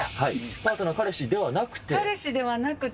パートナー、彼氏ではなくて。